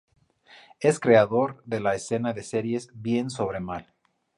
Es creador de la escena de series "Bien sobre mal".